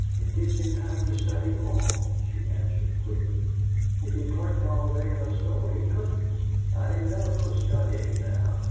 "It gives him time to study law," she answered, quickly. "If he clerked all day in a store, he couldn't." "I didn't know he was studying now.